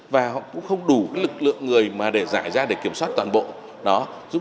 và cũng không đủ lực lượng người mà để giải ra để kiểm soát toàn bộ